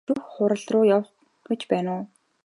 Шүүх хуралруу явах гэж байна уу?